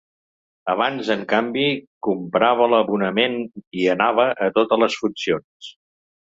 Abans, en canvi, comprava l’abonament i anava a totes les funcions.